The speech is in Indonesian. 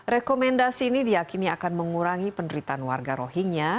rekomendasi ini diakini akan mengurangi penderitaan warga rohingya